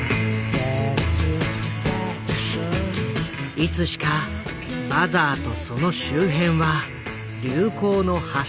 いつしか「バザー」とその周辺は流行の発信地になる。